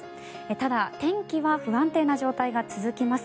ただ、天気は不安定な状態が続きます。